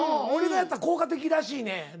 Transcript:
俺がやったら効果的らしいねん。